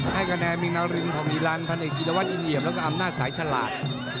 ให้แขนมินาลิมของนิรันดิ์พันธุ์เอกียรติวัตรอิงเหยียบแล้วก็อำนาจสายฉลาด